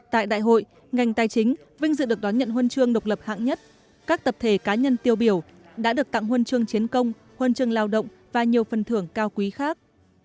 tại đại hội ngành tài chính vinh dự được đón nhận huân chương độc lập hạng nhất các tập thể cá nhân tiêu biểu đã được tặng huân chương chiến công huân chương lao động và nhiều phần thưởng cao quý khác